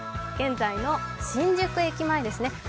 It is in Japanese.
現在の新宿駅前ですね。